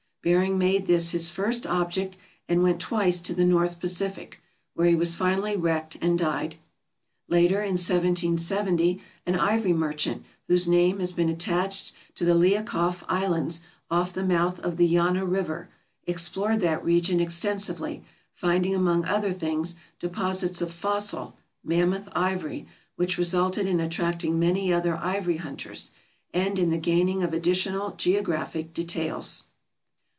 Bering made this his first object, and went twice to the North Pacific, where he was finally wrecked and died. Later, in 1770, an ivory merchant, whose name has been at tached to the Liakhov Islands off the mouth of the Yana River, explored that region extensively, finding among other things deposits of fossil (mammoth) ivory, which resulted in attracting many other ivory hunters, and in the gaining of additional geographical details.